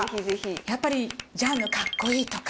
やっぱり「ジャンヌかっこいい！！」とか。